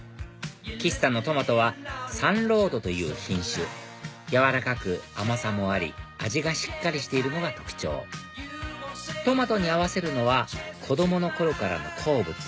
岸さんのトマトはサンロードという品種軟らかく甘さもあり味がしっかりしているのが特徴トマトに合わせるのは子供の頃からの好物